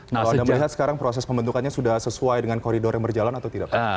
kalau anda melihat sekarang proses pembentukannya sudah sesuai dengan koridor yang berjalan atau tidak pak